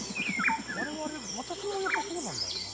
我々私もやっぱそうなんだよな。